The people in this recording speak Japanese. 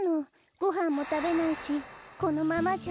ごはんもたべないしこのままじゃ。